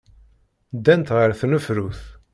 Ddant ɣer tnefrut.